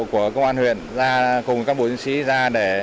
của công an huyện ra cùng các bộ diễn sĩ ra